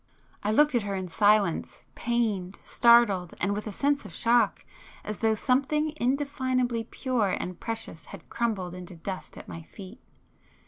I looked at her in silence, pained, startled, and with a sense of shock, as though something indefinably pure and precious had crumbled into dust at my feet.